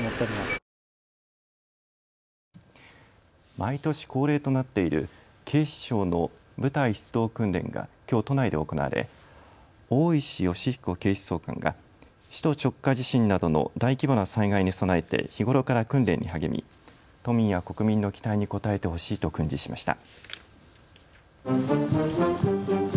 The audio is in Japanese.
毎年恒例となっている警視庁の部隊出動訓練がきょう都内で行われ大石吉彦警視総監が首都直下地震などの大規模な災害に備えて日頃から訓練に励み都民や国民の期待に応えてほしいと訓示しました。